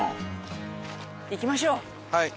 はい。